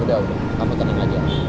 udah kamu tenang aja